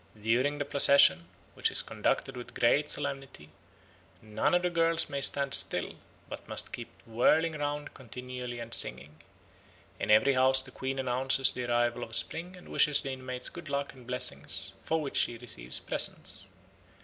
During the procession, which is conducted with great solemnity, none of the girls may stand still, but must keep whirling round continually and singing. In every house the Queen announces the arrival of spring and wishes the inmates good luck and blessings, for which she receives presents.